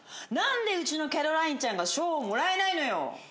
何でうちのキャロラインちゃんが賞をもらえないのよ。